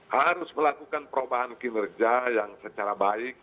harus melakukan perubahan kinerja yang secara baik